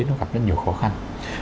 nó gặp rất nhiều khó khăn